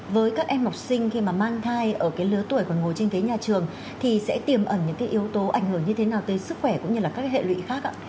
với các em học sinh khi mang thai ở lứa tuổi còn ngồi trên nhà trường thì sẽ tiềm ẩn những yếu tố ảnh hưởng như thế nào tới sức khỏe cũng như các hệ lụy khác